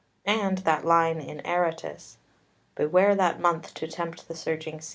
and that line in Aratus "Beware that month to tempt the surging sea."